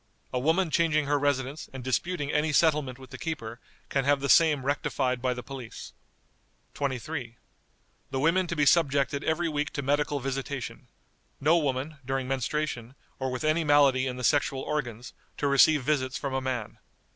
A woman changing her residence, and disputing any settlement with the keeper, can have the same rectified by the police." "23. The women to be subjected every week to medical visitation. No woman, during menstruation, or with any malady in the sexual organs, to receive visits from a man.